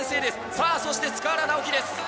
さあ、そして塚原直貴です。